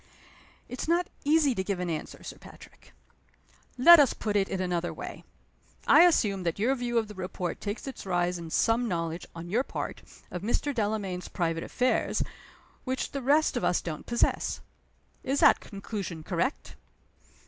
"It's not easy to give an answer, Sir Patrick." "Let us put it in another way. I assume that your view of the report takes its rise in some knowledge, on your part, of Mr. Delamayn's private affairs, which the rest of us don't possess. Is that conclusion correct?"